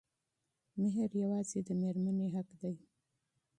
مهر يوازې د مېرمنې حق دی.